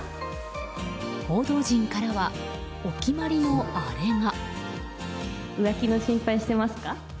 報道陣からは、お決まりのあれが。